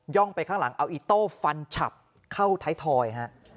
่องไปข้างหลังเอาอิโต้ฟันฉับเข้าไทยทอยฮะ